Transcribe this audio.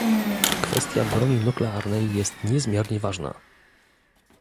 Kwestia broni nuklearnej jest niezmiernie ważna